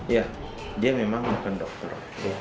ya dia memang bukan dokter